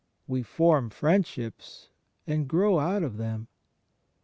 We form friendships, and grow out of them.